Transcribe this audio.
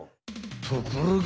ところが